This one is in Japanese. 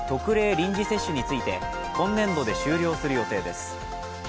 臨時接種について今年度で終了する予定です。